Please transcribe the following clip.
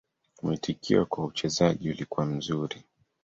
Mwitikio kwa uchezaji ulikuwa mzuri.